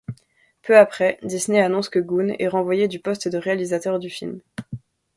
Peu après, Disney annonce que Gunn est renvoyé du poste de réalisateur du film.